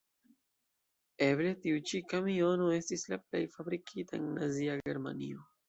Eble, tiu ĉi kamiono estis la plej fabrikita en Nazia Germanio.